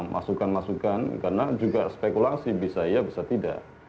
masukan masukan karena juga spekulasi bisa iya bisa tidak